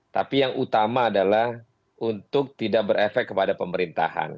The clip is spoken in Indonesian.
tapi yang utama adalah untuk tidak berefek kepada pemerintahan